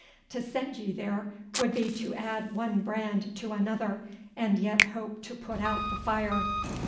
To send ye there would be to add one brand to another and yet hope to put out the fire.